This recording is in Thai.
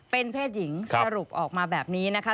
เป็นเพศหญิงสรุปออกมาแบบนี้นะคะ